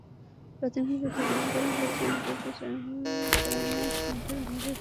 প্রাথমিকভাবে ধারণা করা হচ্ছে, অন্তত চার মাস মাঠের বাইরে থাকতে হবে তাঁকে।